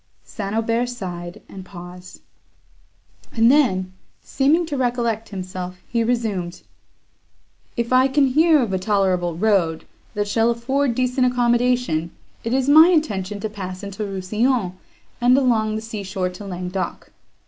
St. Aubert sighed, and paused; and then, seeming to recollect himself, he resumed: "If I can hear of a tolerable road, that shall afford decent accommodation, it is my intention to pass into Rousillon, and along the sea shore to Languedoc.